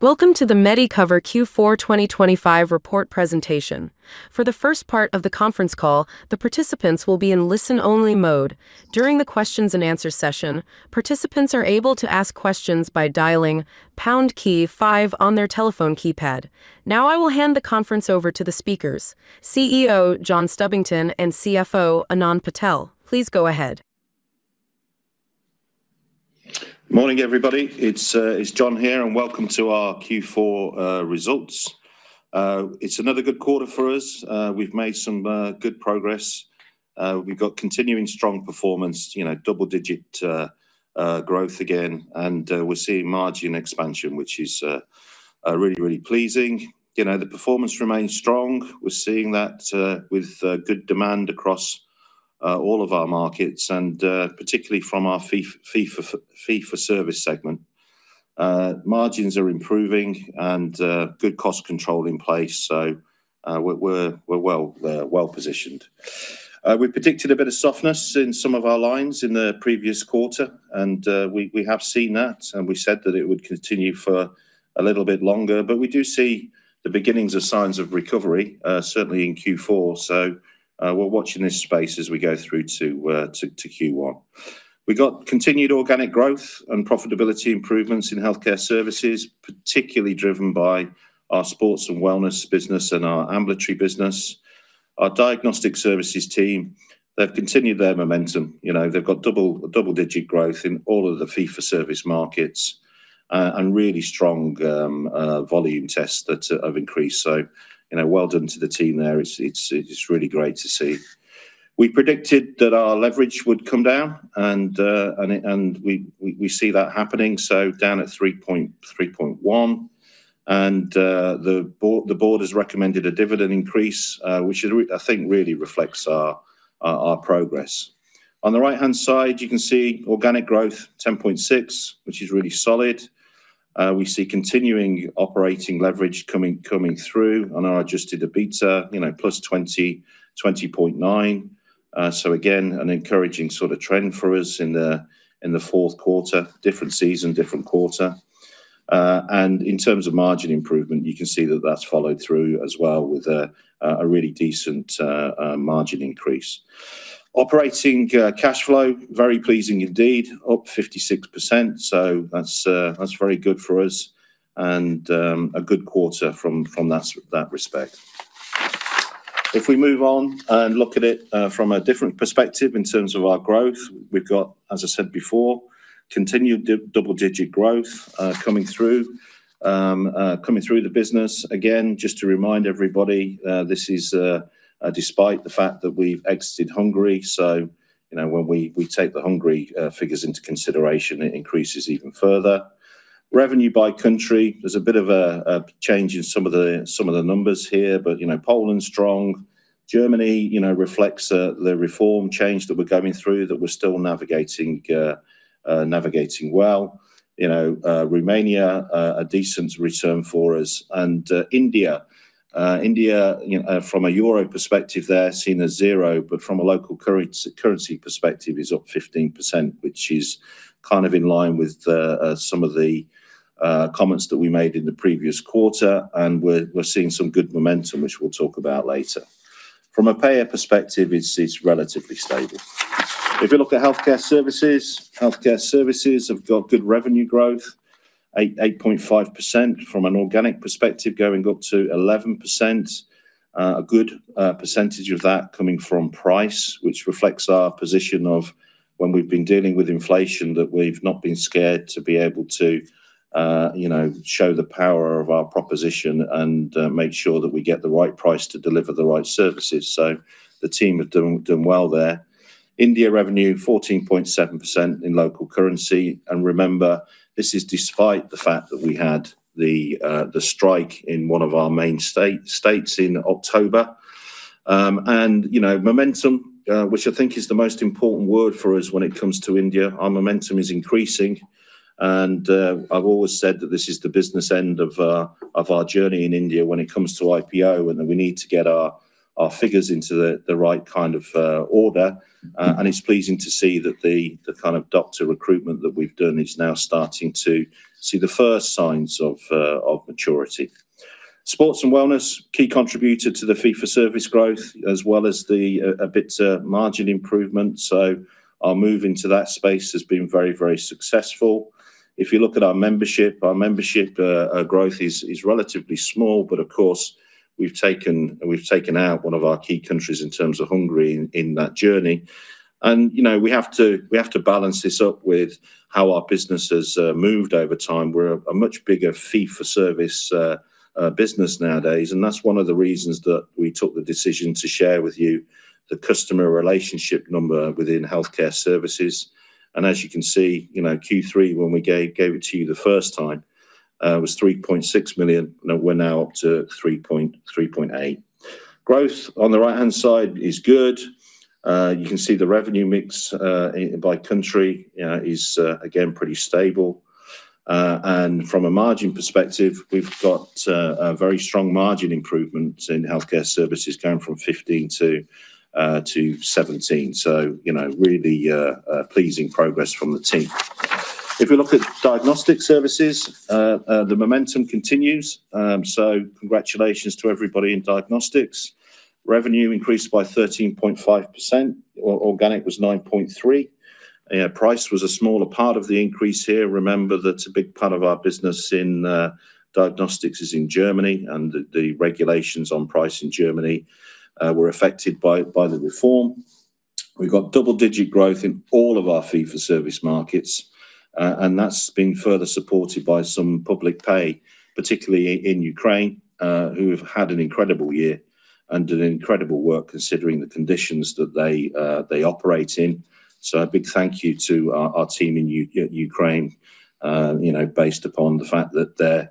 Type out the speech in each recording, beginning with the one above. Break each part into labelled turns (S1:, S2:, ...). S1: Welcome to the Medicover Q4 2025 report presentation. For the first part of the conference call, the participants will be in listen-only mode. During the questions and answer session, participants are able to ask questions by dialing pound key five on their telephone keypad. Now, I will hand the conference over to the speakers, CEO John Stubbington and CFO Anand Patel. Please go ahead.
S2: Morning, everybody. It's John here, and welcome to our Q4 results. It's another good quarter for us. We've made some good progress. We've got continuing strong performance, you know, double-digit growth again, and we're seeing margin expansion, which is really, really pleasing. You know, the performance remains strong. We're seeing that with good demand across all of our markets and particularly from our Fee-For-Service segment. Margins are improving and good cost control in place, so we're well positioned. We predicted a bit of softness in some of our lines in the previous quarter, and we have seen that, and we said that it would continue for a little bit longer, but we do see the beginnings of signs of recovery, certainly in Q4. So, we're watching this space as we go through to Q1. We got continued organic growth and profitability improvements in Healthcare Services, particularly driven by our sports/wellness business and our ambulatory business. Our Diagnostic Services team, they've continued their momentum. You know, they've got double-digit growth in all of the fee-for-service markets, and really strong volume tests that have increased. So, you know, well done to the team there. It's really great to see. We predicted that our leverage would come down, and and it. We see that happening, so down at 3.1x. The board has recommended a dividend increase, which I think really reflects our progress. On the right-hand side, you can see organic growth, 10.6%, which is really solid. We see continuing operating leverage coming through on our adjusted EBITDA, you know, +20.9%. So again, an encouraging sort of trend for us in the fourth quarter. Different season, different quarter. And in terms of margin improvement, you can see that that's followed through as well with a really decent margin increase. Operating cash flow, very pleasing indeed, up 56%, so that's very good for us and a good quarter from that respect. If we move on and look at it from a different perspective in terms of our growth, we've got, as I said before, continued double-digit growth coming through the business. Again, just to remind everybody, this is despite the fact that we've exited Hungary, so you know, when we take the Hungary figures into consideration, it increases even further. Revenue by country, there's a bit of a change in some of the numbers here, but you know, Poland's strong. Germany, you know, reflects the reform change that we're going through, that we're still navigating well. You know, Romania, a decent return for us. And India. India, you know, from a euro perspective there, seen as zero, but from a local currency perspective, is up 15%, which is kind of in line with the, some of the, comments that we made in the previous quarter, and we're, we're seeing some good momentum, which we'll talk about later. From a payer perspective, it's, it's relatively stable. If you look at Healthcare Services, Healthcare Services have got good revenue growth, 8%, 8.5% from an organic perspective, going up to 11%. A good, percentage of that coming from price, which reflects our position of when we've been dealing with inflation, that we've not been scared to be able to, you know, show the power of our proposition and, make sure that we get the right price to deliver the right services. So the team have done well there. India revenue, 14.7% in local currency, and remember, this is despite the fact that we had the strike in one of our main states in October. And you know, momentum, which I think is the most important word for us when it comes to India, our momentum is increasing, and I've always said that this is the business end of our journey in India when it comes to IPO, and that we need to get our figures into the right kind of order. And it's pleasing to see that the kind of doctor recruitment that we've done is now starting to see the first signs of maturity. Sports/wellness, key contributor to the Fee-For-Service growth, as well as the EBITDA margin improvement, so our move into that space has been very, very successful. If you look at our membership, our membership growth is relatively small, but of course, we've taken, we've taken out one of our key countries in terms of Hungary in that journey. You know, we have to balance this up with how our business has moved over time. We're a much bigger fee-for-service business nowadays, and that's one of the reasons that we took the decision to share with you the customer relationship number within Healthcare Services. As you can see, you know, Q3, when we gave it to you the first time, was 3.6 million, and we're now up to 3.8 million. Growth on the right-hand side is good. You can see the revenue mix by country is again pretty stable. And from a margin perspective, we've got a very strong margin improvement in Healthcare Services, going from 15% to 17%. So, you know, really pleasing progress from the team. If we look at Diagnostic Services, the momentum continues. So congratulations to everybody in Diagnostics. Revenue increased by 13.5%, or organic was 9.3%. Yeah, price was a smaller part of the increase here. Remember that a big part of our business in Diagnostics is in Germany, and the regulations on price in Germany were affected by the reform. We've got double-digit growth in all of our fee-for-service markets, and that's been further supported by some public pay, particularly in Ukraine, who have had an incredible year and did incredible work considering the conditions that they operate in. So a big thank you to our team in Ukraine, you know, based upon the fact that they're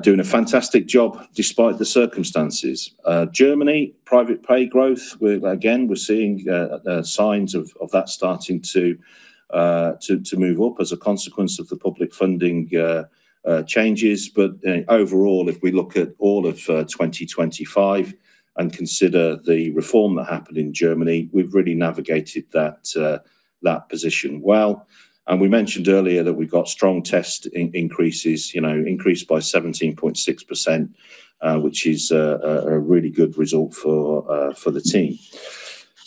S2: doing a fantastic job despite the circumstances. Germany, private pay growth, we're again seeing signs of that starting to move up as a consequence of the public funding changes. But overall, if we look at all of 2025 and consider the reform that happened in Germany, we've really navigated that position well. We mentioned earlier that we got strong test increases, you know, increased by 17.6%, which is a really good result for the team.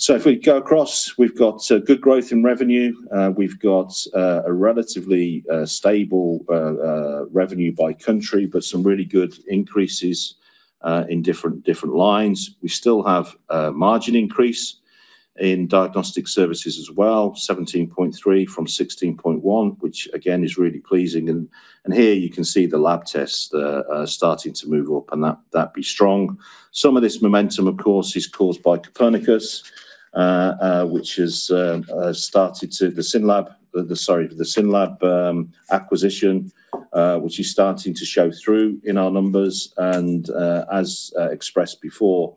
S2: So if we go across, we've got good growth in revenue. We've got a relatively revenue by country, but some really good increases in different lines. We still have a margin increase in Diagnostic Services as well, 17.3% from 16.1%, which, again, is really pleasing. And here you can see the lab tests starting to move up, and that be strong. Some of this momentum, of course, is caused by Copernicus, which has started the SYNLAB acquisition, which is starting to show through in our numbers, and, as expressed before,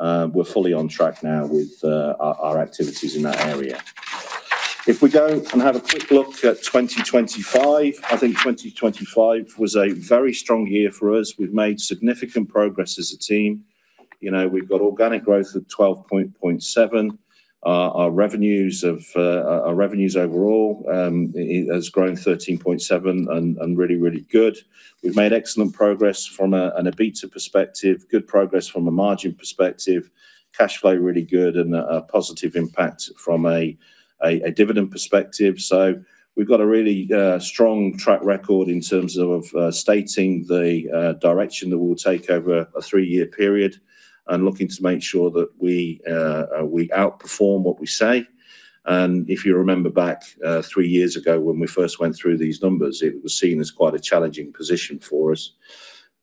S2: we're fully on track now with our activities in that area. If we go and have a quick look at 2025, I think 2025 was a very strong year for us. We've made significant progress as a team. You know, we've got organic growth of 12.7%. Our revenues overall is growing 13.7%, and really good. We've made excellent progress from an EBITDA perspective, good progress from a margin perspective, cash flow really good, and a positive impact from a dividend perspective. So we've got a really strong track record in terms of, of, stating the direction that we'll take over a three-year period and looking to make sure that we, we outperform what we say. And if you remember back, three years ago, when we first went through these numbers, it was seen as quite a challenging position for us.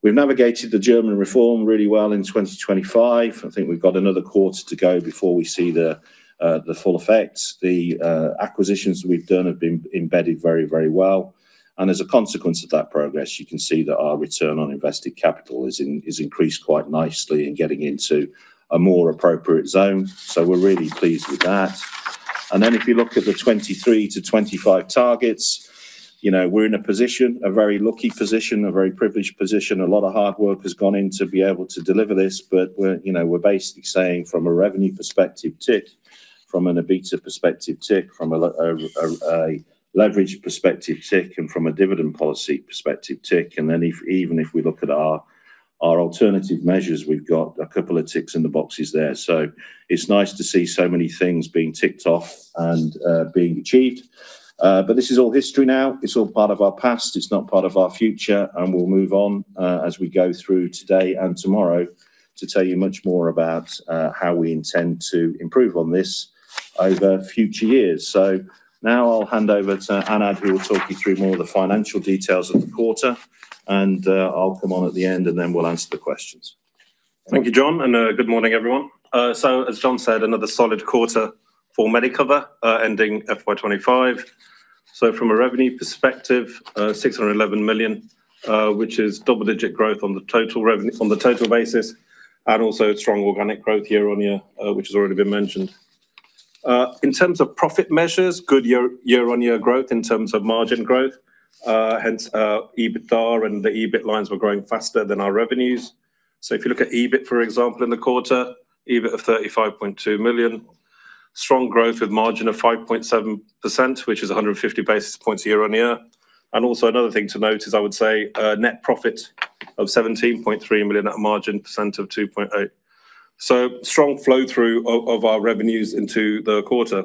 S2: We've navigated the German reform really well in 2025. I think we've got another quarter to go before we see the, the full effects. The acquisitions we've done have been embedded very, very well, and as a consequence of that progress, you can see that our return on invested capital is increased quite nicely and getting into a more appropriate zone. So we're really pleased with that. If you look at the 2023-2025 targets, you know, we're in a position, a very lucky position, a very privileged position. A lot of hard work has gone in to be able to deliver this, but we're, you know, we're basically saying from a revenue perspective, tick. From an EBITDA perspective, tick. From a leverage perspective, tick, and from a dividend policy perspective, tick. And then if even if we look at our alternative measures, we've got a couple of ticks in the boxes there. So it's nice to see so many things being ticked off and being achieved. But this is all history now. It's all part of our past. It's not part of our future, and we'll move on, as we go through today and tomorrow to tell you much more about, how we intend to improve on this over future years. So now I'll hand over to Anand, who will talk you through more of the financial details of the quarter, and, I'll come on at the end, and then we'll answer the questions.
S3: Thank you, John, and good morning, everyone. So as John said, another solid quarter for Medicover, ending FY 2025. So from a revenue perspective, 611 million, which is double-digit growth on the total basis, and also strong organic growth year-on-year, which has already been mentioned. In terms of profit measures, good year-on-year growth in terms of margin growth, hence EBITDA and the EBIT lines were growing faster than our revenues. So if you look at EBIT, for example, in the quarter, EBIT of 35.2 million, strong growth with margin of 5.7%, which is 150 basis points year-on-year. And also another thing to note is, I would say, net profit of 17.3 million at a margin of 2.8%. So strong flow-through of, of our revenues into the quarter.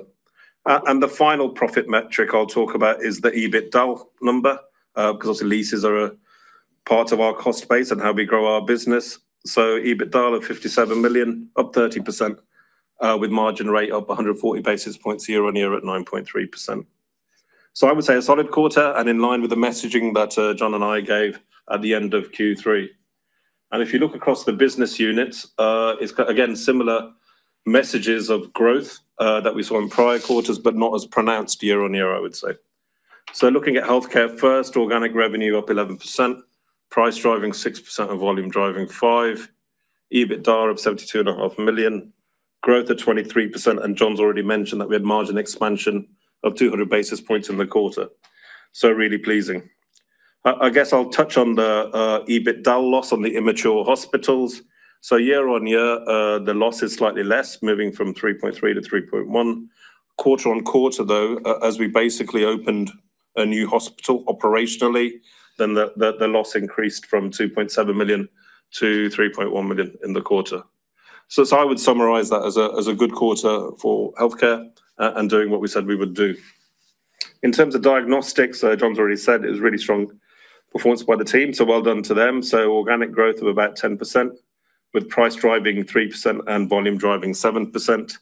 S3: And the final profit metric I'll talk about is the EBITDA number, because obviously leases are a part of our cost base and how we grow our business. So EBITDA of 57 million, up 30%, with margin rate up 140 basis points year-on-year at 9.3%. So I would say a solid quarter and in line with the messaging that, John and I gave at the end of Q3. And if you look across the business units, it's got, again, similar messages of growth, that we saw in prior quarters, but not as pronounced year-on-year, I would say. So looking at Healthcare first, organic revenue up 11%, price driving 6% of volume, driving 5%, EBITDA of 72.5 million, growth of 23%, and John's already mentioned that we had margin expansion of 200 basis points in the quarter. So really pleasing. I guess I'll touch on the EBITDA loss on the immature hospitals. So year-on-year, the loss is slightly less, moving from 3.3 million to 3.1 million. Quarter-on-quarter, though, as we basically opened a new hospital operationally, then the loss increased from 2.7 million to 3.1 million in the quarter. So I would summarize that as a good quarter for Healthcare, and doing what we said we would do. In terms of Diagnostics, so John's already said, it was a really strong performance by the team, so well done to them. So organic growth of about 10%, with price driving 3% and volume driving 7%.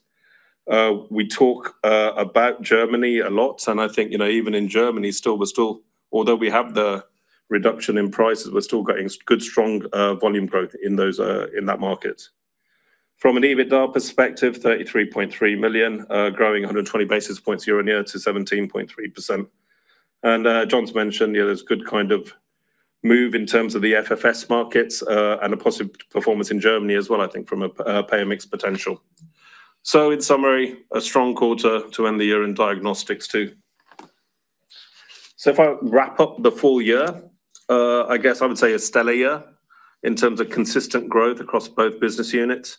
S3: We talk about Germany a lot, and I think, you know, even in Germany, still, we're still, although we have the reduction in prices, we're still getting good, strong volume growth in that market. From an EBITDA perspective, 33.3 million, growing 120 basis points year-on-year to 17.3%. John's mentioned, you know, there's good kind of move in terms of the FFS markets, and a positive performance in Germany as well, I think, from a pay and mix potential. So in summary, a strong quarter to end the year in Diagnostics, too. So if I wrap up the full year, I guess I would say a stellar year in terms of consistent growth across both business units,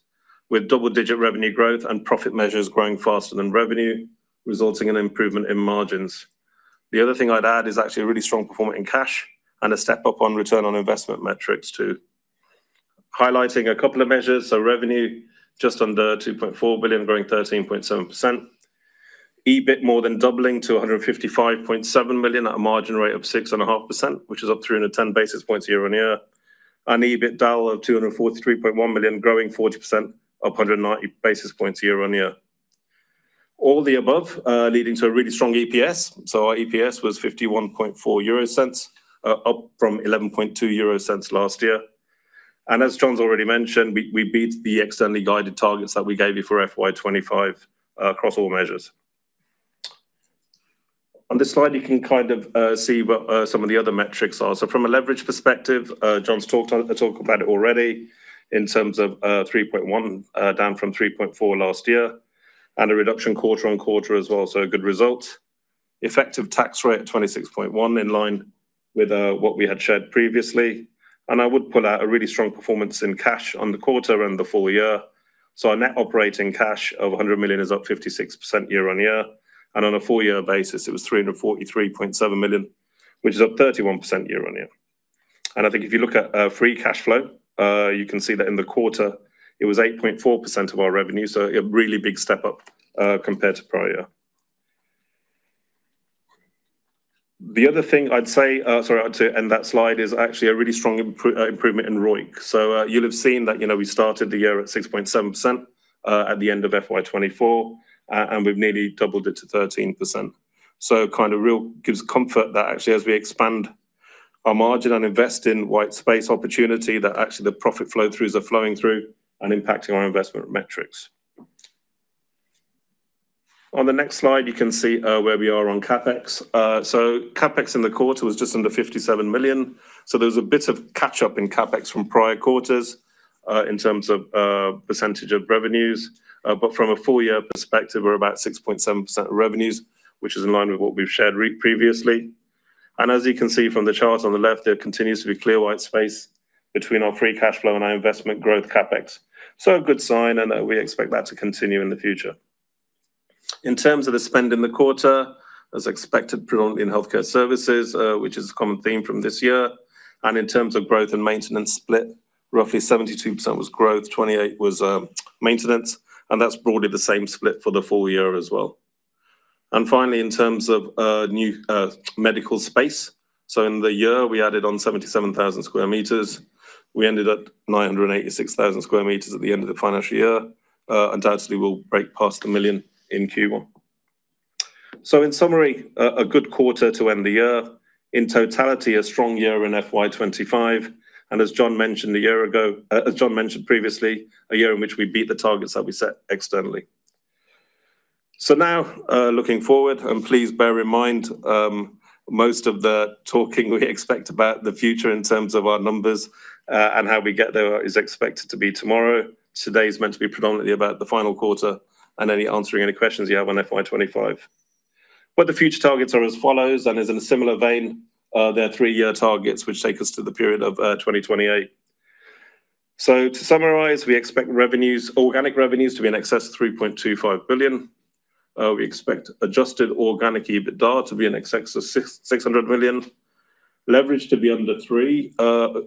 S3: with double-digit revenue growth and profit measures growing faster than revenue, resulting in improvement in margins. The other thing I'd add is actually a really strong performance in cash and a step up on return on investment metrics, too. Highlighting a couple of measures, so revenue, just under 2.4 billion, growing 13.7%. EBIT more than doubling to 155.7 million at a margin rate of 6.5%, which is up 310 basis points year-on-year. EBITDA of 243.1 million, growing 40%, up 190 basis points year-on-year. All the above, leading to a really strong EPS. So our EPS was 0.514, up from 0.112 last year. And as John's already mentioned, we beat the externally guided targets that we gave you for FY 2025 across all measures. On this slide, you can kind of see what some of the other metrics are. So from a leverage perspective, John's talked about it already in terms of 3.1x, down from 3.4x last year, and a reduction quarter-on-quarter as well, so a good result. Effective tax rate at 26.1%, in line with what we had shared previously. And I would pull out a really strong performance in cash on the quarter and the full year. So our net operating cash of 100 million is up 56% year-on-year, and on a full year basis, it was 343.7 million, which is up 31% year-on-year. And I think if you look at free cash flow, you can see that in the quarter, it was 8.4% of our revenue, so a really big step up compared to prior year. The other thing I'd say, sorry, I want to end that slide, is actually a really strong improvement in ROIC. So, you'll have seen that, you know, we started the year at 6.7%, at the end of FY 2024, and we've nearly doubled it to 13%. So kind of real, gives comfort that actually, as we expand our margin and invest in white space opportunity, that actually the profit flow throughs are flowing through and impacting our investment metrics. On the next slide, you can see where we are on CapEx. So CapEx in the quarter was just under 57 million, so there was a bit of catch-up in CapEx from prior quarters in terms of percentage of revenues. But from a full year perspective, we're about 6.7% of revenues, which is in line with what we've shared previously. And as you can see from the charts on the left, there continues to be clear white space between our free cash flow and our investment growth CapEx. So a good sign, and we expect that to continue in the future. In terms of the spend in the quarter, as expected, predominantly in Healthcare Services, which is a common theme from this year, and in terms of growth and maintenance split, roughly 72% was growth, 28% was maintenance, and that's broadly the same split for the full year as well. And finally, in terms of new medical space, so in the year, we added on 77,000 sq m. We ended at 986,000 sq m at the end of the financial year. Undoubtedly, we'll break past a million in Q1. So in summary, a good quarter to end the year. In totality, a strong year in FY 2025, and as John mentioned a year ago, as John mentioned previously, a year in which we beat the targets that we set externally. So now, looking forward, and please bear in mind, most of the talking we expect about the future in terms of our numbers, and how we get there is expected to be tomorrow. Today is meant to be predominantly about the final quarter and any answering any questions you have on FY 2025. But the future targets are as follows, and is in a similar vein, there are three-year targets which take us to the period of, 2028. So to summarize, we expect revenues, organic revenues to be in excess of 3.25 billion. We expect adjusted organic EBITDA to be in excess of 600 million, leverage to be under 3x,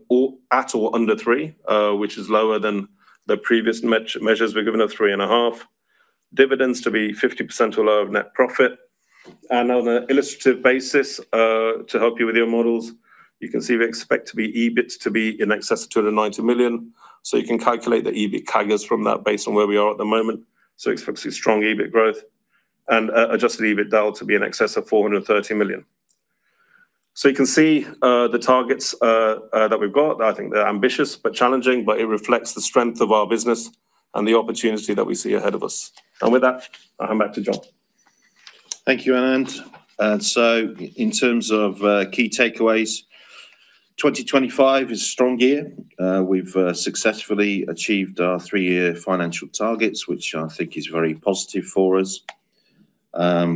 S3: or at or under 3x, which is lower than the previous measures were given at 3.5x. Dividends to be 50% or lower of net profit. On an illustrative basis, to help you with your models, you can see we expect EBIT to be in excess of 290 million, so you can calculate the EBIT CAGRs from that based on where we are at the moment. Expecting strong EBIT growth and adjusted EBITDA to be in excess of 430 million. You can see the targets that we've got. I think they're ambitious but challenging, but it reflects the strength of our business and the opportunity that we see ahead of us. With that, I'll hand back to John.
S2: Thank you, Anand. And so in terms of key takeaways, 2025 is a strong year. We've successfully achieved our three-year financial targets, which I think is very positive for us.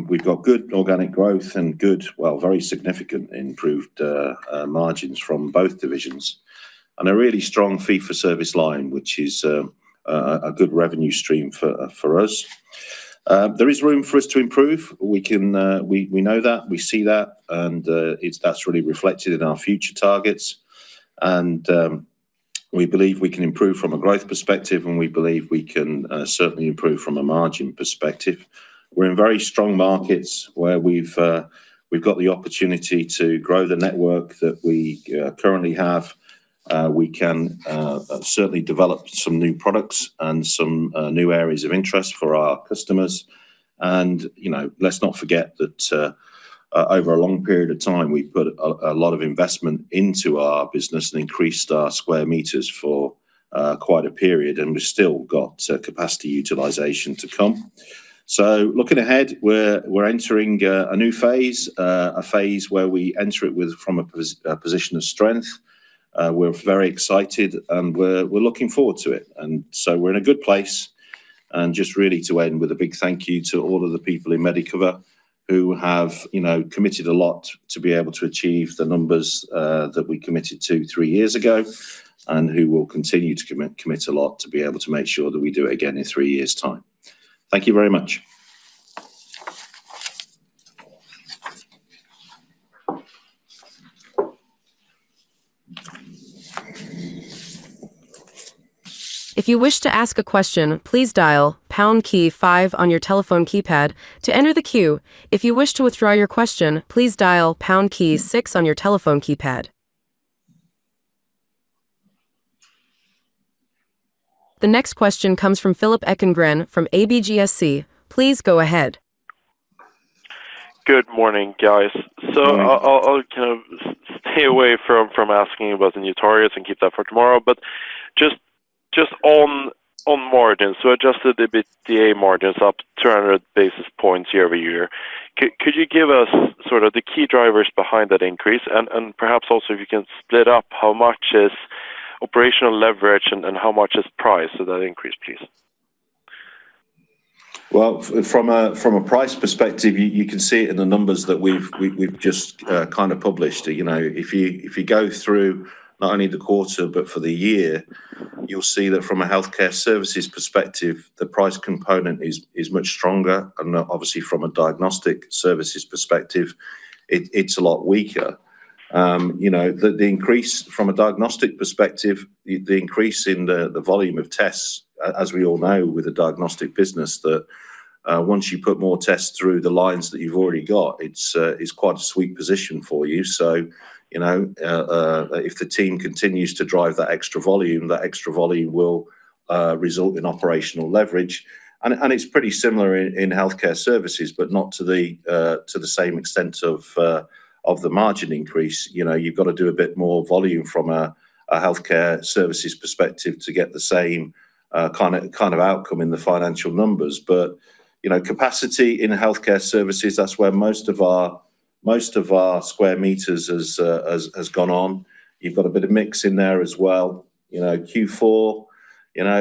S2: We've got good organic growth and good, well, very significant improved margins from both divisions, and a really strong fee-for-service line, which is a good revenue stream for us. There is room for us to improve. We can, we know that, we see that, and it's naturally reflected in our future targets. And we believe we can improve from a growth perspective, and we believe we can certainly improve from a margin perspective. We're in very strong markets where we've got the opportunity to grow the network that we currently have. We can certainly develop some new products and some new areas of interest for our customers. And, you know, let's not forget that over a long period of time, we've put a lot of investment into our business and increased our square meters for quite a period, and we've still got capacity utilization to come. So looking ahead, we're entering a new phase, a phase where we enter it with from a position of strength. We're very excited, and we're looking forward to it. And so we're in a good place, and just really to end with a big thank you to all of the people in Medicover who have, you know, committed a lot to be able to achieve the numbers that we committed to three years ago, and who will continue to commit a lot to be able to make sure that we do it again in three years' time. Thank you very much.
S1: If you wish to ask a question, please dial pound key five on your telephone keypad to enter the queue. If you wish to withdraw your question, please dial pound key six on your telephone keypad. The next question comes from Philip Ekengren, from ABGSC. Please go ahead.
S4: Good morning, guys. So I'll kind of stay away from asking you about the new targets and keep that for tomorrow. But just on margin, so adjusted EBITDA margin is up 300 basis points year-over-year. Could you give us sort of the key drivers behind that increase, and perhaps also if you can split up how much is operational leverage and how much is price of that increase, please?
S2: Well, from a price perspective, you can see it in the numbers that we've just kind of published. You know, if you go through not only the quarter, but for the year, you'll see that from a Healthcare Services perspective, the price component is much stronger, and obviously from a Diagnostic Services perspective, it's a lot weaker. You know, the increase from a Diagnostic perspective, the increase in the volume of tests, as we all know, with the Diagnostic business, that once you put more tests through the lines that you've already got, it's quite a sweet position for you. So, you know, if the team continues to drive that extra volume, that extra volume will result in operational leverage. It's pretty similar in Healthcare Services, but not to the same extent of the margin increase. You know, you've got to do a bit more volume from a Healthcare Services perspective to get the same kind of outcome in the financial numbers. But you know, capacity in Healthcare Services, that's where most of our square meters has gone on. You've got a bit of mix in there as well. You know, Q4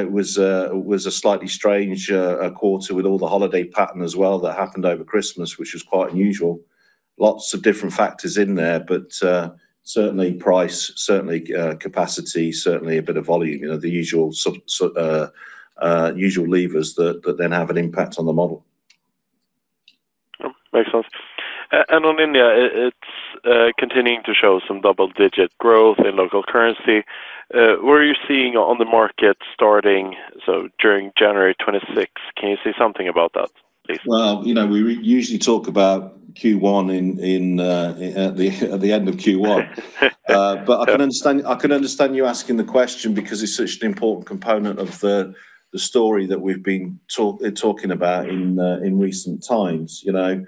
S2: was a slightly strange quarter with all the holiday pattern as well that happened over Christmas, which was quite unusual. Lots of different factors in there, but certainly price, certainly capacity, certainly a bit of volume, you know, the usual sub so usual levers that then have an impact on the model.
S4: Oh, makes sense. And on India, it's continuing to show some double-digit growth in local currency. What are you seeing on the market starting, so during January 2026? Can you say something about that, please?
S2: Well, you know, we usually talk about Q1 in at the end of Q1. But I can understand you asking the question because it's such an important component of the story that we've been talking about in recent times, you know.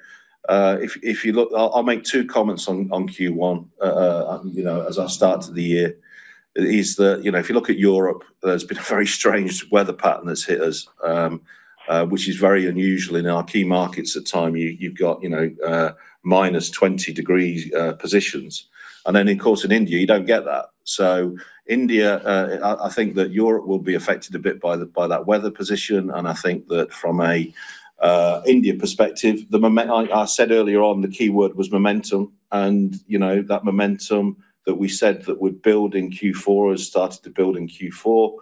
S2: If you look. I'll make two comments on Q1, you know, as our start to the year, is that, you know, if you look at Europe, there's been a very strange weather pattern that's hit us, which is very unusual in our key markets. At times, you've got, you know, -20 degrees positions. And then, of course, in India, you don't get that. So India, I think that Europe will be affected a bit by the by that weather position, and I think that from a India perspective, I said earlier on, the keyword was momentum, and you know, that momentum that we said that would build in Q4 has started to build in Q4. You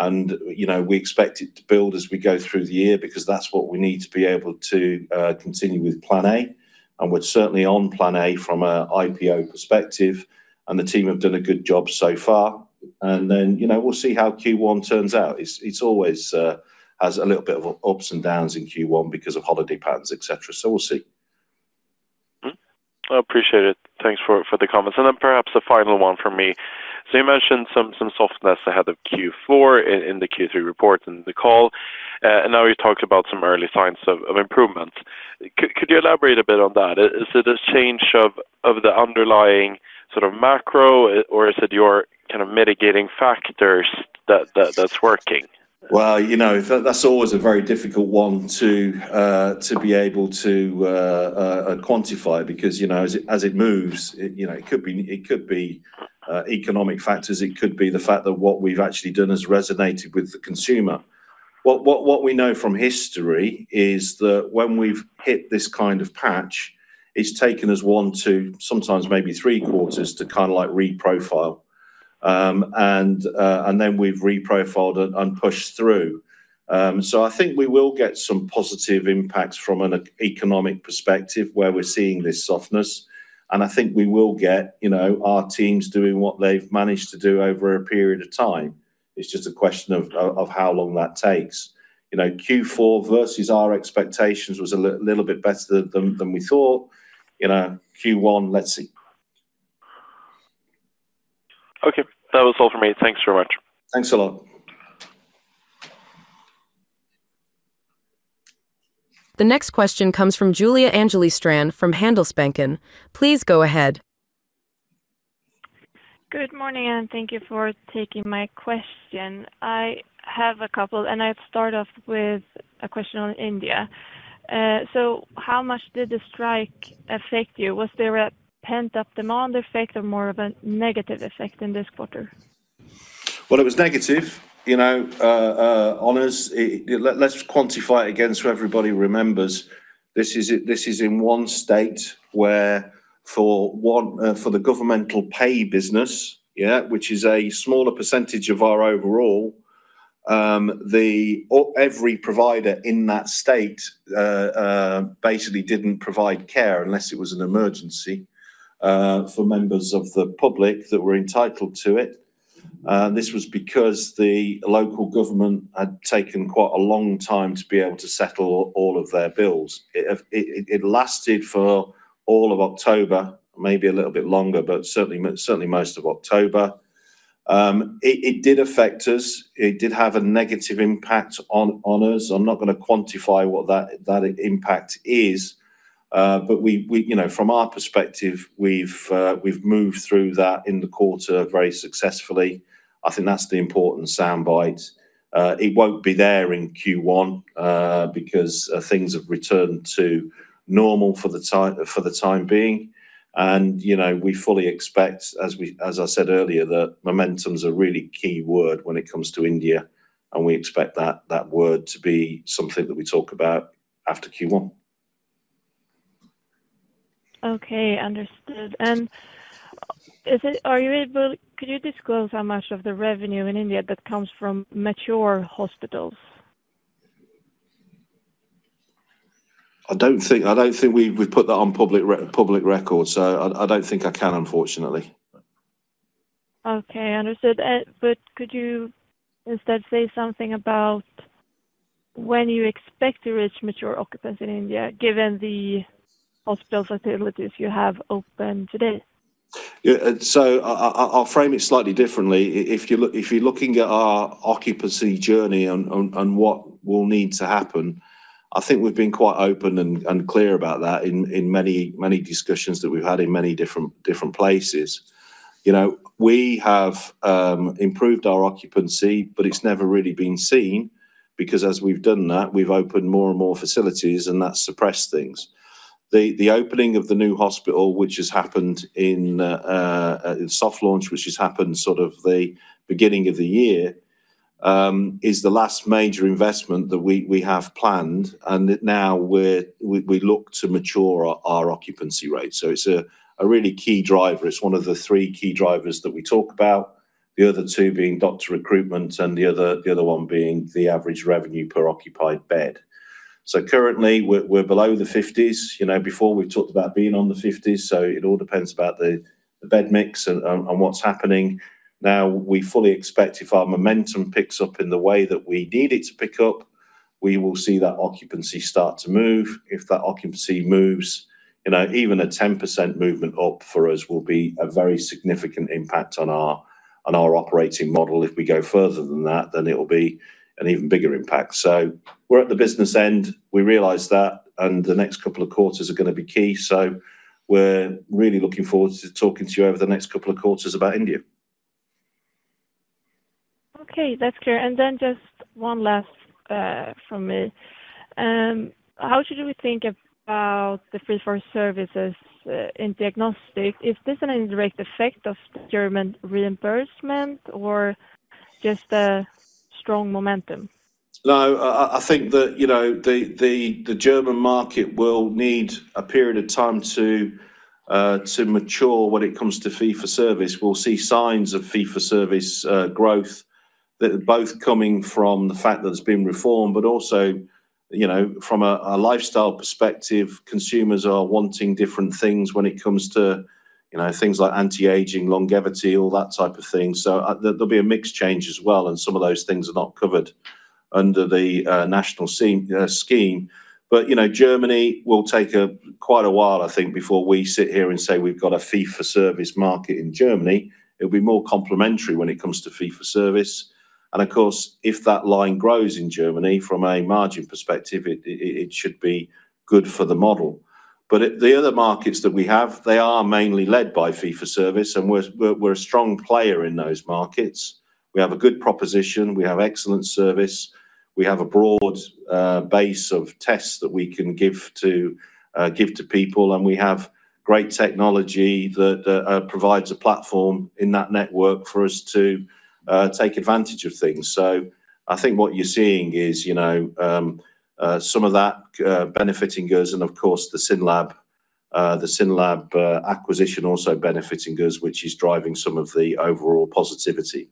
S2: know, we expect it to build as we go through the year because that's what we need to be able to continue with plan A, and we're certainly on plan A from a IPO perspective, and the team have done a good job so far. Then you know, we'll see how Q1 turns out. It's always has a little bit of ups and downs in Q1 because of holiday patterns, et cetera. So we'll see.
S4: Mm-hmm. I appreciate it. Thanks for the comments. And then perhaps a final one from me. So you mentioned some softness ahead of Q4 in the Q3 report and the call, and now you've talked about some early signs of improvement. Could you elaborate a bit on that? Is it a change of the underlying sort of macro, or is it your kind of mitigating factors that that's working?
S2: Well, you know, that, that's always a very difficult one to be able to quantify because, you know, as it moves, you know, it could be, it could be economic factors, it could be the fact that what we've actually done has resonated with the consumer. Well, what we know from history is that when we've hit this kind of patch, it's taken us one to sometimes maybe three quarters to kinda like reprofile. And then we've reprofiled it and pushed through. So I think we will get some positive impacts from an economic perspective where we're seeing this softness, and I think we will get, you know, our teams doing what they've managed to do over a period of time. It's just a question of how long that takes. You know, Q4 versus our expectations was a little bit better than we thought. You know, Q1, let's see.
S4: Okay, that was all for me. Thanks very much.
S2: Thanks a lot.
S1: The next question comes from Julia Angeli Strand from Handelsbanken. Please go ahead.
S5: Good morning, and thank you for taking my question. I have a couple, and I'll start off with a question on India. So how much did the strike affect you? Was there a pent-up demand effect or more of a negative effect in this quarter?
S2: Well, it was negative, you know, on us. Let's quantify it again, so everybody remembers. This is in one state where for one, for the governmental pay business, yeah, which is a smaller percentage of our overall, or every provider in that state, basically didn't provide care unless it was an emergency, for members of the public that were entitled to it. This was because the local government had taken quite a long time to be able to settle all of their bills. It lasted for all of October, maybe a little bit longer, but certainly most of October. It did affect us. It did have a negative impact on us. I'm not gonna quantify what that impact is, but we you know, from our perspective, we've moved through that in the quarter very successfully. I think that's the important sound bite. It won't be there in Q1, because things have returned to normal for the time being. You know, we fully expect, as I said earlier, that momentum's a really key word when it comes to India, and we expect that word to be something that we talk about after Q1.
S5: Okay, understood. Could you disclose how much of the revenue in India that comes from mature hospitals?
S2: I don't think we've put that on public record, so I don't think I can, unfortunately.
S5: Okay, understood. But could you instead say something about when you expect to reach mature occupancy in India, given the hospital facilities you have open today?
S2: Yeah, so I'll frame it slightly differently. If you're looking at our occupancy journey and what will need to happen, I think we've been quite open and clear about that in many discussions that we've had in many different places. You know, we have improved our occupancy, but it's never really been seen, because as we've done that, we've opened more and more facilities, and that's suppressed things. The opening of the new hospital, which has happened in soft launch, which has happened sort of the beginning of the year, is the last major investment that we have planned, and now we look to mature our occupancy rate. So it's a really key driver. It's one of the three key drivers that we talk about, the other two being doctor recruitment and the other, the other one being the average revenue per occupied bed. So currently, we're below the fifties. You know, before we've talked about being on the fifties, so it all depends about the bed mix and what's happening. Now, we fully expect if our momentum picks up in the way that we need it to pick up, we will see that occupancy start to move. If that occupancy moves, you know, even a 10% movement up for us will be a very significant impact on our operating model. If we go further than that, then it'll be an even bigger impact. We're at the business end, we realize that, and the next couple of quarters are gonna be key, so we're really looking forward to talking to you over the next couple of quarters about India.
S5: Okay, that's clear. And then just one last from me. How should we think about the fee-for-services in diagnostic? Is this an indirect effect of German reimbursement or just a strong momentum?
S2: No, I think that, you know, the German market will need a period of time to mature when it comes to fee-for-service. We'll see signs of Fee-For-Service growth that are both coming from the fact that it's been reformed, but also, you know, from a lifestyle perspective, consumers are wanting different things when it comes to, you know, things like anti-aging, longevity, all that type of thing. So there'll be a mixed change as well, and some of those things are not covered under the national scheme. But, you know, Germany will take quite a while, I think, before we sit here and say we've got a fee-for-service market in Germany. It'll be more complementary when it comes to fee-for-service. And of course, if that line grows in Germany from a margin perspective, it should be good for the model. But the other markets that we have, they are mainly led by Fee-For-Service, and we're a strong player in those markets. We have a good proposition. We have excellent service. We have a broad base of tests that we can give to people, and we have great technology that provides a platform in that network for us to take advantage of things. So I think what you're seeing is, you know, some of that benefiting us, and of course, the SYNLAB acquisition also benefiting us, which is driving some of the overall positivity.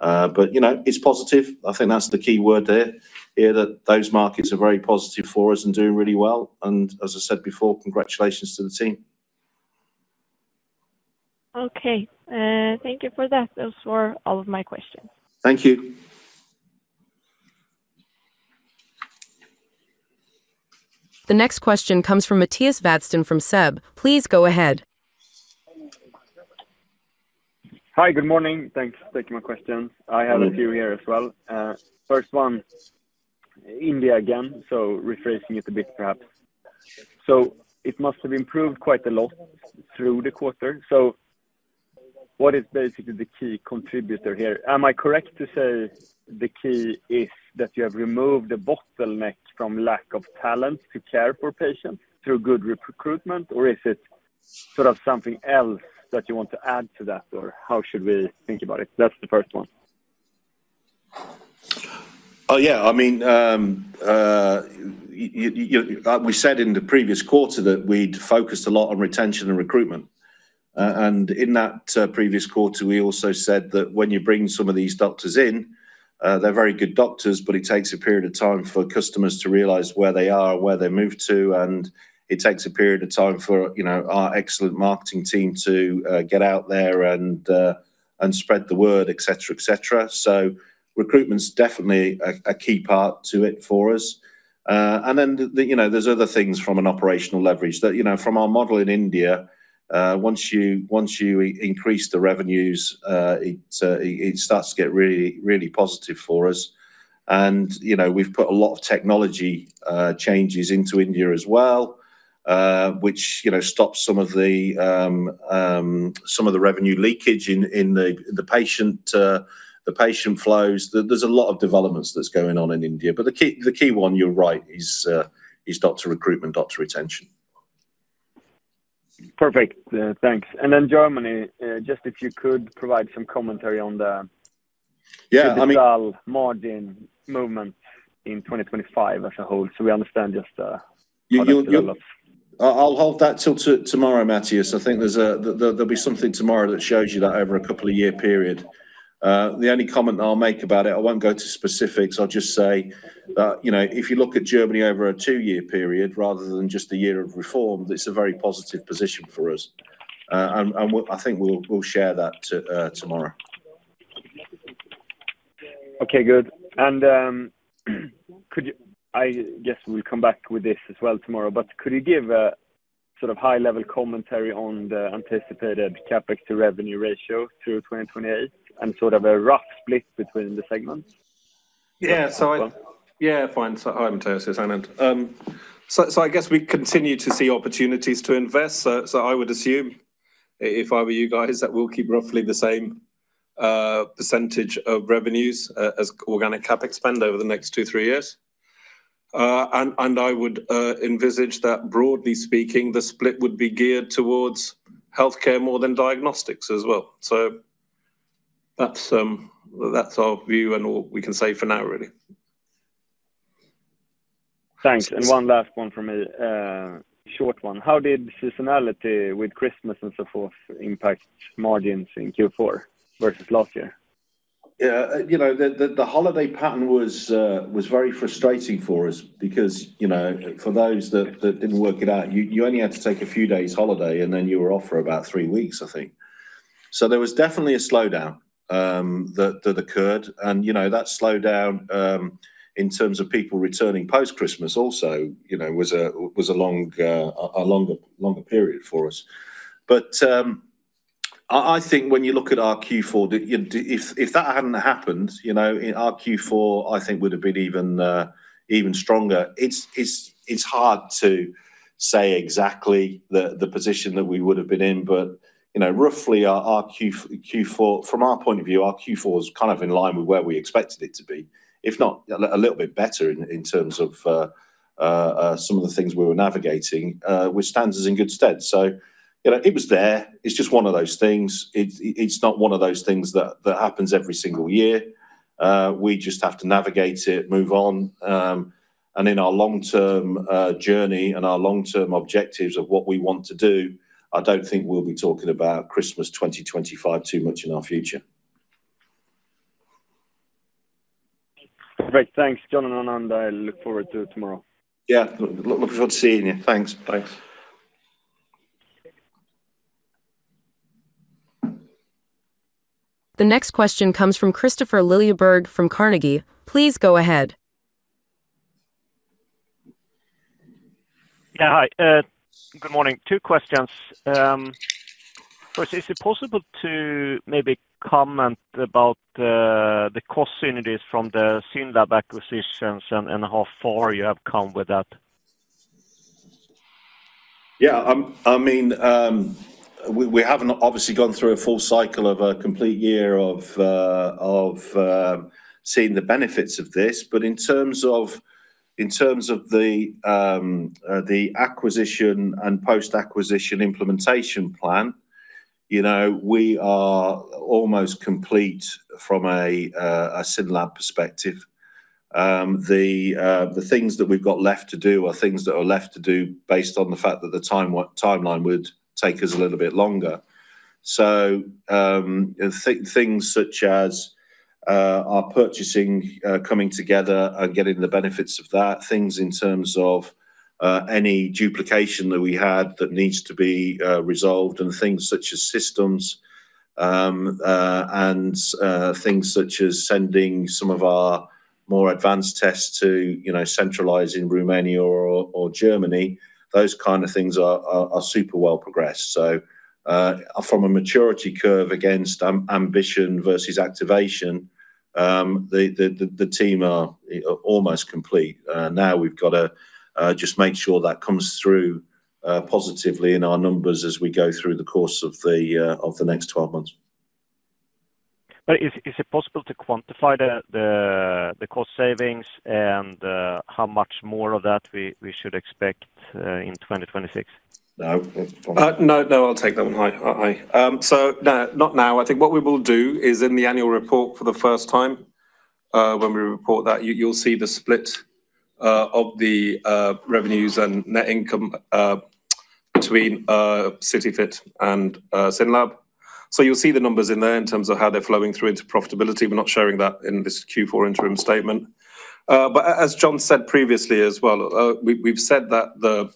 S2: But, you know, it's positive. I think that's the key word there, yeah, that those markets are very positive for us and doing really well. As I said before, congratulations to the team.
S5: Okay, thank you for that. Those were all of my questions.
S2: Thank you.
S1: The next question comes from Mattias Vadsten from SEB. Please go ahead.
S6: Hi, good morning. Thanks for taking my question.
S2: Good morning.
S6: I have a few here as well. First one, India again, so rephrasing it a bit perhaps. So it must have improved quite a lot through the quarter. So what is basically the key contributor here? Am I correct to say the key is that you have removed the bottleneck from lack of talent to care for patients through good recruitment? Or is it sort of something else that you want to add to that, or how should we think about it? That's the first one.
S2: Oh, yeah, I mean, we said in the previous quarter that we'd focused a lot on retention and recruitment. And in that previous quarter, we also said that when you bring some of these doctors in, they're very good doctors, but it takes a period of time for customers to realize where they are, where they moved to, and it takes a period of time for, you know, our excellent marketing team to get out there and spread the word, et cetera, et cetera. So recruitment is definitely a key part to it for us. And then, you know, there's other things from an operational leverage that, you know, from our model in India, once you increase the revenues, it starts to get really, really positive for us. You know, we've put a lot of technology changes into India as well, which, you know, stops some of the revenue leakage in the patient flows. There's a lot of developments that's going on in India, but the key one, you're right, is doctor recruitment, doctor retention.
S6: Perfect. Thanks. And then Germany, just if you could provide some commentary on the.
S2: Yeah, I mean.
S6: Marginal margin movement in 2025 as a whole, so we understand just on a sort of level.
S2: I'll hold that till tomorrow, Mattias. I think there'll be something tomorrow that shows you that over a couple of year period. The only comment I'll make about it, I won't go to specifics, I'll just say that, you know, if you look at Germany over a two-year period rather than just a year of reform, it's a very positive position for us. And we'll share that tomorrow.
S6: Okay, good. And, could you. I guess we'll come back with this as well tomorrow, but could you give a sort of high-level commentary on the anticipated CapEx to revenue ratio through 2028 and sort of a rough split between the segments?
S2: Yeah. So I. Yeah, fine. So I'm sorry, Anand. I guess we continue to see opportunities to invest. So I would assume, if I were you guys, that we'll keep roughly the same percentage of revenues as organic CapEx spend over the next two to three years. And I would envisage that, broadly speaking, the split would be geared towards Healthcare more than Diagnostics as well. So that's our view and all we can say for now, really.
S6: Thanks. One last one from me, short one. How did seasonality with Christmas and so forth impact margins in Q4 versus last year?
S2: Yeah, you know, the holiday pattern was very frustrating for us because, you know, for those that didn't work it out, you only had to take a few days holiday, and then you were off for about three weeks, I think. So there was definitely a slowdown that occurred, and, you know, that slowdown in terms of people returning post-Christmas also, you know, was a longer period for us. But, I think when you look at our Q4, if that hadn't happened, you know, in our Q4, I think would have been even stronger. It's hard to say exactly the position that we would have been in, but, you know, roughly, our Q4 from our point of view was kind of in line with where we expected it to be, if not a little bit better in terms of some of the things we were navigating, which stands us in good stead. So, you know, it was there. It's just one of those things. It's not one of those things that happens every single year. We just have to navigate it, move on, and in our long-term journey and our long-term objectives of what we want to do, I don't think we'll be talking about Christmas 2025 too much in our future.
S6: Great. Thanks, John and Anand. I look forward to it tomorrow.
S2: Yeah. Look, looking forward to seeing you. Thanks. Bye.
S1: The next question comes from Kristofer Liljeberg from Carnegie. Please go ahead.
S7: Yeah, hi. Good morning. Two questions. First, is it possible to maybe comment about the cost synergies from the SYNLAB acquisitions and how far you have come with that?
S2: Yeah, I mean, we haven't obviously gone through a full cycle of a complete year of seeing the benefits of this, but in terms of the acquisition and post-acquisition implementation plan. You know, we are almost complete from a SYNLAB perspective. The things that we've got left to do are things that are left to do based on the fact that the timeline would take us a little bit longer. So, things such as our purchasing coming together and getting the benefits of that, things in terms of any duplication that we had that needs to be resolved, and things such as systems, and things such as sending some of our more advanced tests to, you know, centralize in Romania or Germany, those kind of things are super well progressed. So, from a maturity curve against ambition versus activation, the team are almost complete. Now we've got to just make sure that comes through positively in our numbers as we go through the course of the next 12 months.
S7: But is it possible to quantify the cost savings and how much more of that we should expect in 2026?
S2: No.
S3: No, no, I'll take that one. So no, not now. I think what we will do is in the annual report for the first time, when we report that, you'll see the split of the revenues and net income between CityFit and SYNLAB. So you'll see the numbers in there in terms of how they're flowing through into profitability. We're not sharing that in this Q4 interim statement. But as John said previously as well, we've said that the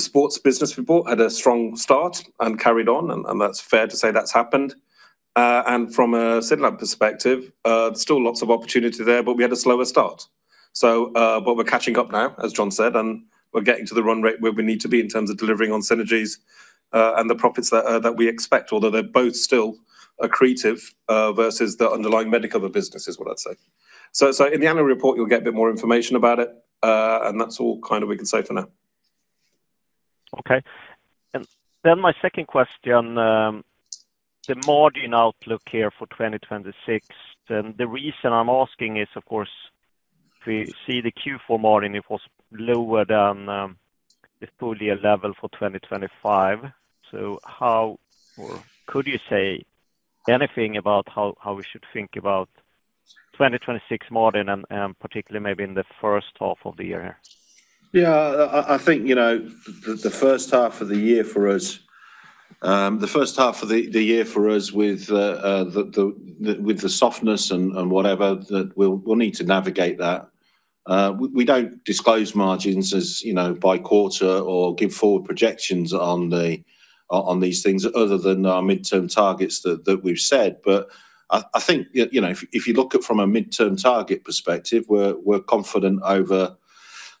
S3: sports business report had a strong start and carried on, and that's fair to say that's happened. And from a SYNLAB perspective, there's still lots of opportunity there, but we had a slower start. So, but we're catching up now, as John said, and we're getting to the run rate where we need to be in terms of delivering on synergies, and the profits that we expect, although they're both still accretive versus the underlying medical business, is what I'd say. So in the annual report, you'll get a bit more information about it, and that's all kind of we can say for now.
S7: Okay. And then my second question, the margin outlook here for 2026, then the reason I'm asking is, of course, we see the Q4 margin, it was lower than, the full year level for 2025. So how, or could you say anything about how, how we should think about 2026 margin and, and particularly maybe in the first half of the year?
S2: Yeah, I think, you know, the first half of the year for us, the first half of the year for us with the softness and whatever, that we'll need to navigate that. We don't disclose margins, as you know, by quarter or give forward projections on these things other than our midterm targets that we've said. But I think, you know, if you look at from a midterm target perspective, we're confident over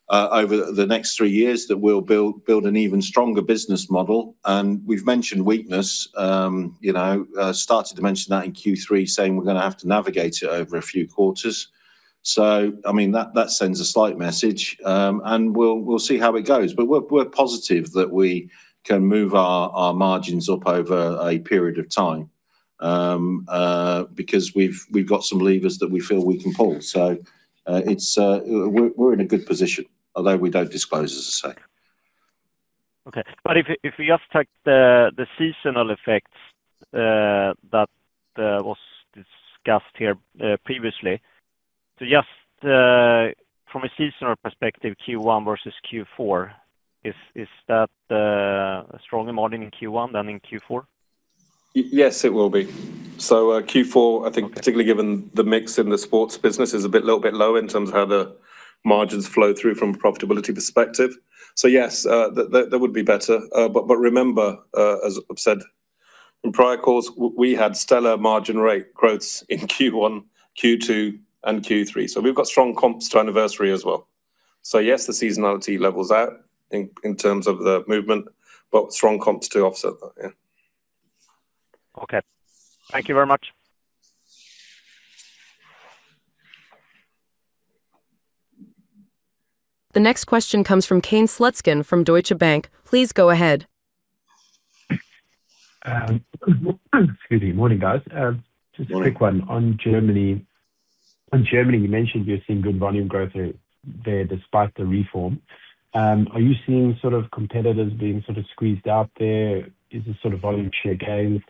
S2: the next three years that we'll build an even stronger business model. And we've mentioned weakness, you know, started to mention that in Q3, saying we're gonna have to navigate it over a few quarters. So I mean, that sends a slight message, and we'll see how it goes. But we're positive that we can move our margins up over a period of time, because we've got some levers that we feel we can pull. So, we're in a good position, although we don't disclose, as I say.
S7: Okay. But if we just take the seasonal effects that was discussed here previously, so just from a seasonal perspective, Q1 versus Q4, is that a stronger margin in Q1 than in Q4?
S3: Yes, it will be. So, Q4, I think particularly given the mix in the sports business, is a bit low in terms of how the margins flow through from a profitability perspective. So yes, that would be better. But remember, as I've said in prior calls, we had stellar margin rate growths in Q1, Q2, and Q3, so we've got strong comps to anniversary as well. So yes, the seasonality levels out in terms of the movement, but strong comps to offset that. Yeah.
S7: Okay. Thank you very much.
S1: The next question comes from Kane Slutzkin from Deutsche Bank. Please go ahead.
S8: Excuse me. Morning, guys.
S2: Morning.
S8: Just a quick one. On Germany, on Germany, you mentioned you're seeing good volume growth there despite the reform. Are you seeing sort of competitors being sort of squeezed out there? Is this sort of volume share gains?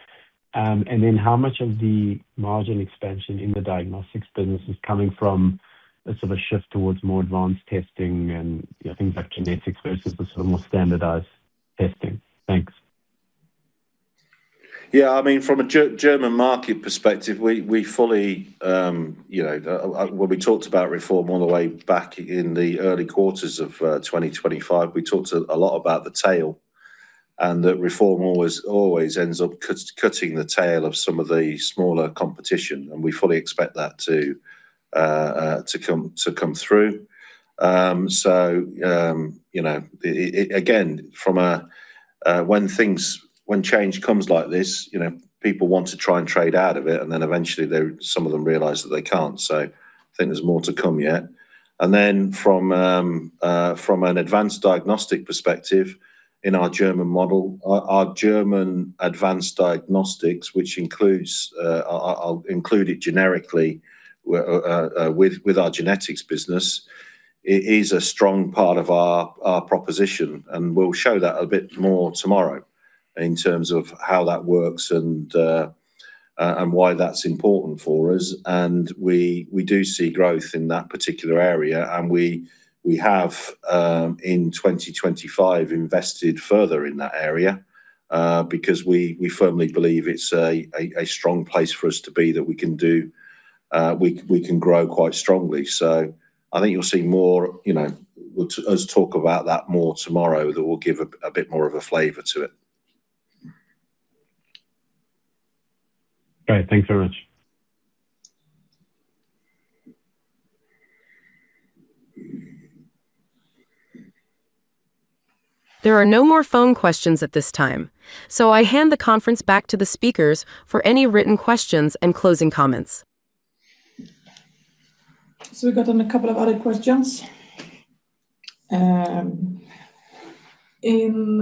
S8: And then, how much of the margin expansion in the diagnostics business is coming from a sort of a shift towards more advanced testing and, you know, things like genetics versus the sort of more standardized testing? Thanks.
S2: Yeah, I mean, from a German market perspective, we fully, you know, when we talked about reform all the way back in the early quarters of 2025, we talked a lot about the tail, and that reform always ends up cutting the tail of some of the smaller competition, and we fully expect that to come through. So, you know, it, again, from a, when change comes like this, you know, people want to try and trade out of it, and then eventually, they, some of them realize that they can't. So I think there's more to come yet. And then from an advanced diagnostic perspective, in our German model, our German advanced diagnostics, which includes, I'll include it generically, with our genetics business, is a strong part of our proposition, and we'll show that a bit more tomorrow in terms of how that works and why that's important for us. And we do see growth in that particular area, and we have in 2025 invested further in that area, because we firmly believe it's a strong place for us to be, that we can do, we can grow quite strongly. So I think you'll see more, you know, we'll talk about that more tomorrow, that will give a bit more of a flavor to it.
S8: Great, thanks so much.
S1: There are no more phone questions at this time, so I hand the conference back to the speakers for any written questions and closing comments.
S9: So we've got then a couple of other questions. In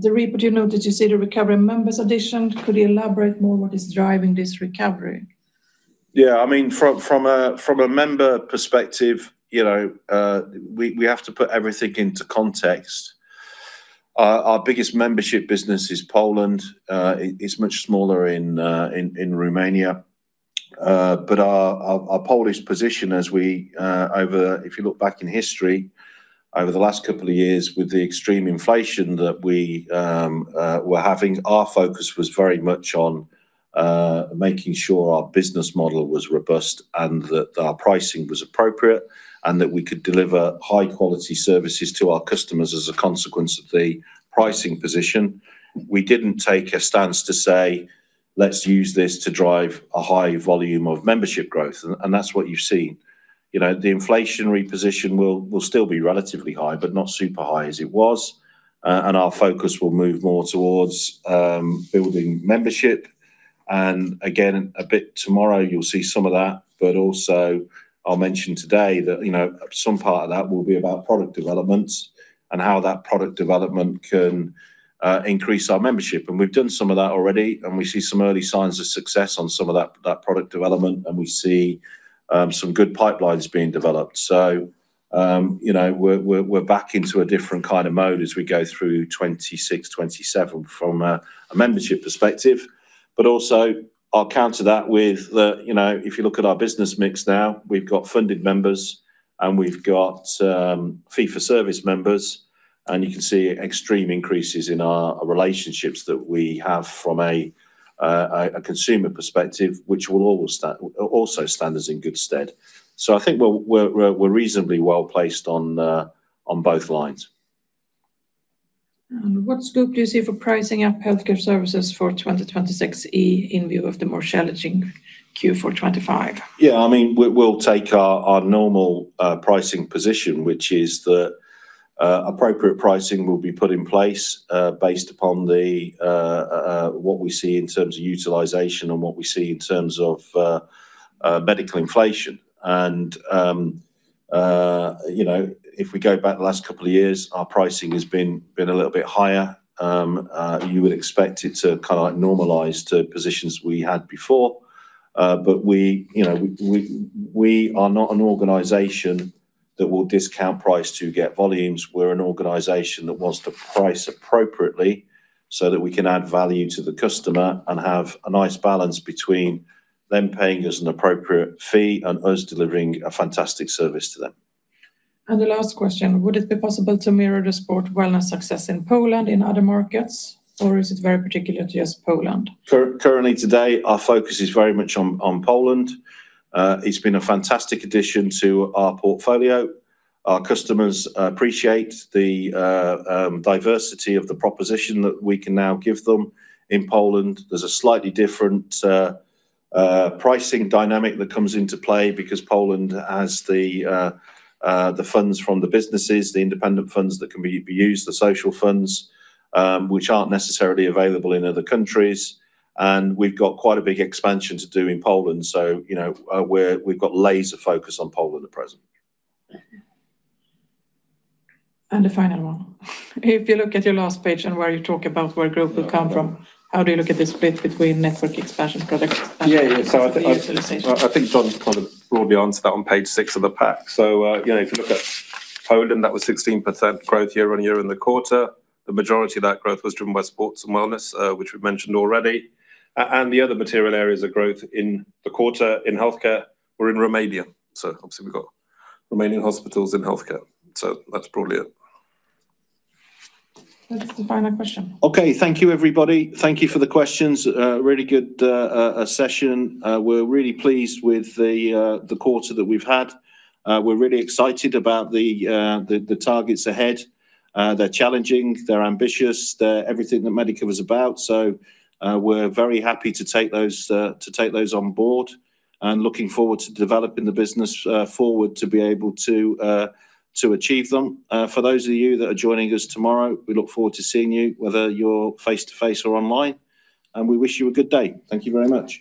S9: the report, you noted you see the recovery in members addition, could you elaborate more what is driving this recovery?
S2: Yeah, I mean, from a member perspective, you know, we have to put everything into context. Our biggest membership business is Poland. It's much smaller in Romania. But our Polish position. If you look back in history, over the last couple of years, with the extreme inflation that we were having, our focus was very much on making sure our business model was robust and that our pricing was appropriate, and that we could deliver high quality services to our customers as a consequence of the pricing position. We didn't take a stance to say, "Let's use this to drive a high volume of membership growth," and that's what you've seen. You know, the inflationary position will still be relatively high, but not super high as it was. And our focus will move more towards building membership. And again, a bit tomorrow, you'll see some of that, but also, I'll mention today that, you know, some part of that will be about product developments and how that product development can increase our membership. And we've done some of that already, and we see some early signs of success on some of that product development, and we see some good pipelines being developed. So, you know, we're back into a different kind of mode as we go through 2026, 2027 from a membership perspective. But also, I'll counter that with the, you know, if you look at our business mix now, we've got funded members and we've got fee-for-service members, and you can see extreme increases in our relationships that we have from a consumer perspective, which will always stand, also stand us in good stead. So I think we're reasonably well-placed on both lines.
S9: What scope do you see for pricing up Healthcare Services for 2026 in view of the more challenging Q4 2025?
S2: Yeah, I mean, we'll take our normal pricing position, which is that appropriate pricing will be put in place based upon what we see in terms of utilization and what we see in terms of medical inflation. And you know, if we go back the last couple of years, our pricing has been a little bit higher. You would expect it to kinda like normalize to positions we had before. But we, you know, we are not an organization that will discount price to get volumes. We're an organization that wants to price appropriately so that we can add value to the customer and have a nice balance between them paying us an appropriate fee and us delivering a fantastic service to them.
S9: The last question: Would it be possible to mirror the sport/wellness success in Poland, in other markets, or is it very particular to just Poland?
S2: Currently today, our focus is very much on Poland. It's been a fantastic addition to our portfolio. Our customers appreciate the diversity of the proposition that we can now give them. In Poland, there's a slightly different pricing dynamic that comes into play because Poland has the funds from the businesses, the independent funds that can be used, the social funds, which aren't necessarily available in other countries. And we've got quite a big expansion to do in Poland, so, you know, we've got laser focus on Poland at present.
S9: The final one. If you look at your last page and where you talk about where growth will come from, how do you look at the split between network expansion products and.
S3: Yeah, yeah.
S9: Utilization?
S3: So I, I think John kind of brought the answer to that on page six of the pack. So, you know, if you look at Poland, that was 16% growth year-on-year in the quarter. The majority of that growth was driven by sports/wellness, which we've mentioned already, and the other material areas of growth in the quarter in Healthcare or in Romania. So obviously, we've got Romanian hospitals in Healthcare. So that's probably it.
S9: That's the final question.
S2: Okay. Thank you, everybody. Thank you for the questions. Really good session. We're really pleased with the quarter that we've had. We're really excited about the targets ahead. They're challenging, they're ambitious, they're everything that Medicover was about. So, we're very happy to take those, to take those on board, and looking forward to developing the business forward to be able to, to achieve them. For those of you that are joining us tomorrow, we look forward to seeing you, whether you're face to face or online, and we wish you a good day. Thank you very much.